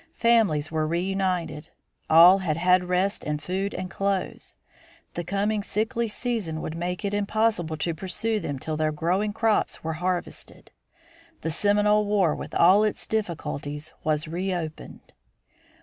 Families were reunited; all had had rest and food and clothes. The coming sickly season would make it impossible to pursue them till their growing crops were harvested. The Seminole war with all its difficulties was reopened.